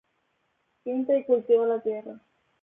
Pinta y cultiva la tierra.